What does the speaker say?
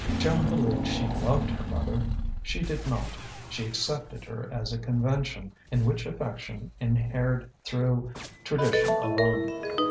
Joan believed she loved her mother. She did not: she accepted her as a convention in which affection inhered through tradition alone....